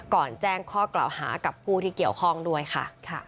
แจ้งข้อกล่าวหากับผู้ที่เกี่ยวข้องด้วยค่ะ